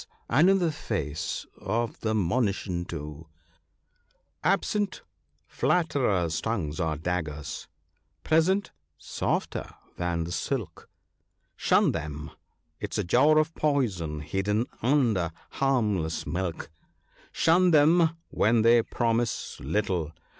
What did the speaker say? — and in the face of the monition too, — "Absent, flatterers' tongues are daggers — present, softer than the silk ; Shun them ! 'tis a jar of poison hidden under harmless milk ; Shun them when they promise little